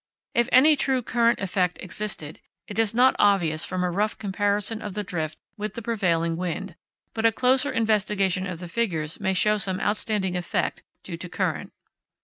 If any true current effect existed, it is not obvious from a rough comparison of the drift with the prevailing wind, but a closer investigation of the figures may show some outstanding effect due to current.